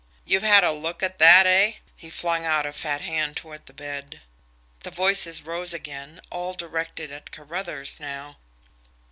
You've had a look at that eh?" He flung out a fat hand toward the bed. The voices rose again, all directed at Carruthers now.